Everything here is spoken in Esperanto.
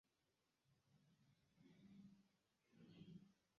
Estis nur kvar komunumaj putoj.